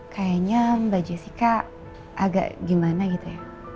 kayaknya mbak jessica agak gimana gitu ya